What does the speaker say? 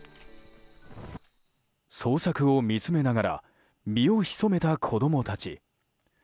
捜索を見つめながら身を潜めた子供たち。